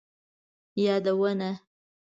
یادونه: